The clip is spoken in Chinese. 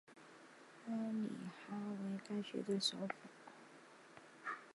埃里哈为该区的首府。